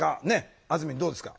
あずみんどうですか？